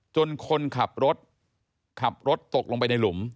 คนขับรถขับรถตกลงไปในหลุม